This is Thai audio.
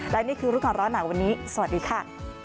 และนี่คือรู้ก่อนร้อนหนาวันนี้สวัสดีค่ะ